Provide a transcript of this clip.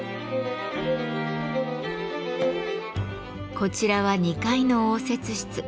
こちらは２階の応接室。